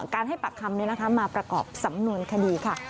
การให้ปากคำมาประกอบสำนวนคดีค่ะ